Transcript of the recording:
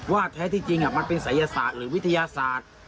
แท้ที่จริงมันเป็นศัยศาสตร์หรือวิทยาศาสตร์